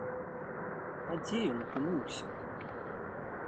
А дзе ён апынуўся?